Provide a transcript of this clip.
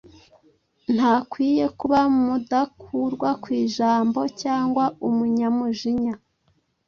Ntakwiye kuba mudakurwakwijambo cyangwa umunyamujinya,